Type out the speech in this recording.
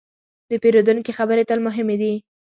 د پیرودونکي خبرې تل مهمې دي.